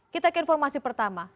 kita ke informasi pertama